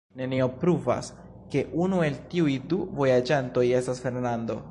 Nenio pruvas, ke unu el tiuj du vojaĝantoj estas Fernando.